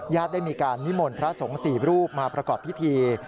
ได้มีการนิมนต์พระสงฆ์๔รูปมาประกอบพิธี